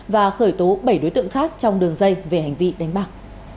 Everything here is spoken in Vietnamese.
và khởi tố bảy đối tượng khác trong đường dây về hành vi đánh bạc